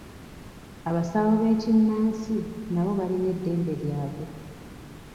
Abasawo b'ekinnansi nabo balina eddembe lyabwe.